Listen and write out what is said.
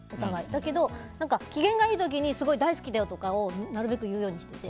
だけど、機嫌がいい時にすごい大好きだよとかをなるべく言うようにしてて。